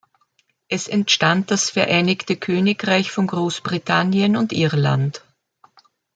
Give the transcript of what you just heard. Es entstand das Vereinigte Königreich von Großbritannien und Irland.